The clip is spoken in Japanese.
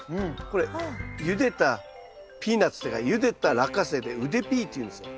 これゆでたピーナツというかゆでたラッカセイで「うでピー」っていうんですよ。